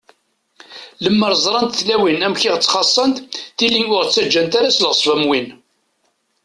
Lemmer ẓrant tlawin amek i ɣ-ttxaṣṣant, tili ur ɣ-ttaǧǧant ara s leɣṣeb am win.